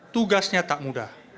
tugasnya tak mudah